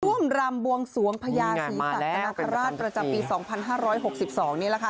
รำบวงสวงพญาศรีสัตนคราชประจำปี๒๕๖๒นี่แหละค่ะ